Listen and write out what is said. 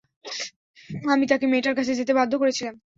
আমি তাকে মেয়েটার কাছে যেতে বাধ্য করেছিলাম।